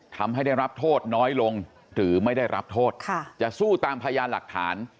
ทำให้ได้รับโทษน้อยลงหรือไม่ได้รับโทษจะสู้ตามพยานหลักฐาน